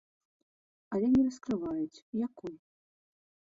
Але не раскрываюць, якой.